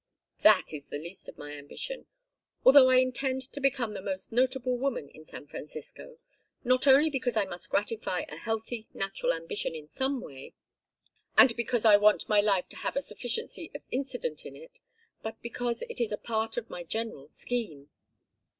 "That is the least of my ambition although I intend to become the most notable woman in San Francisco, not only because I must gratify a healthy natural ambition in some way, and because I want my life to have a sufficiency of incident in it, but because it is a part of my general scheme."